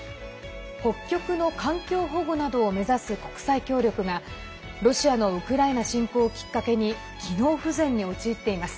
北極の環境保護などを目指す国際協力がロシアのウクライナ侵攻をきっかけに機能不全に陥っています。